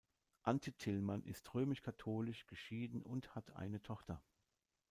Antje Tillmann ist römisch-katholisch, geschieden und hat eine Tochter.